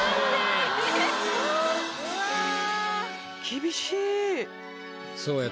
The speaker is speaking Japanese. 厳しい。